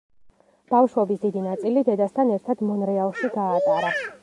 ბავშვობის დიდი ნაწილი დედასთან ერთად მონრეალში გაატარა.